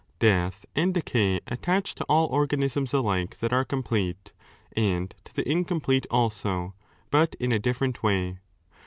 Death and decay attach to all organ isms alike that are complete, and to the incomplete also, but in a different way.